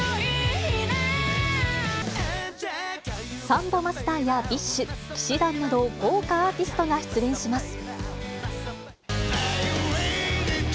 サンボマスターやＢｉＳＨ、氣志團など、豪華アーティストが出演します。